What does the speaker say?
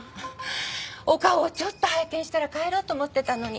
お顔をちょっと拝見したら帰ろうと思ってたのに。